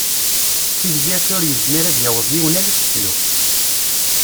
D tigzirt ur yezmir ad yaweḍ yiwen ala s teflukt.